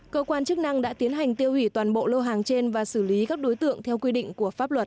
cơ quan chức năng đã tiến hành tiêu hủy toàn bộ lô hàng trên và xử lý các đối tượng theo quy định của pháp luật